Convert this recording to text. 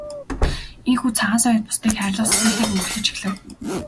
Ийнхүү Цагаан соёот бусдыг хайрлах сэтгэлийг өвөрлөж эхлэв.